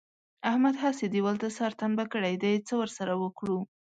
احمد هسې دېوال ته سر ټنبه کړی دی؛ څه ور سره وکړو؟!